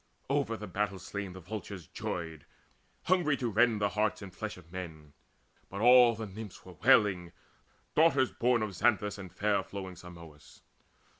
Over the battle slain the vultures joyed, Hungry to rend the hearts and flesh of men. But all the Nymphs were wailing, daughters born Of Xanthus and fair flowing Simois.